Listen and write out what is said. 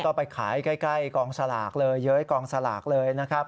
ก็ไปขายใกล้กองสลากเลยเย้ยกองสลากเลยนะครับ